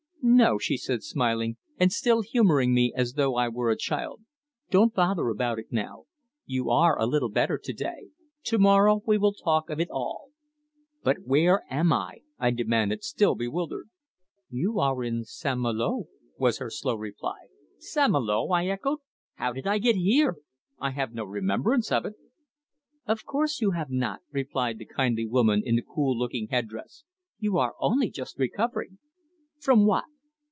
"No," she said, smiling, and still humouring me as though I were a child. "Don't bother about it now. You are a little better to day. To morrow we will talk of it all." "But where am I?" I demanded, still bewildered. "You are in St. Malo," was her slow reply. "St. Malo!" I echoed. "How did I get here? I have no remembrance of it." "Of course you have not," replied the kindly woman in the cool looking head dress. "You are only just recovering." "From what?"